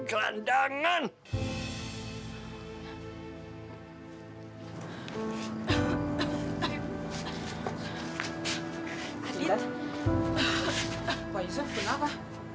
pak yusuf kenapa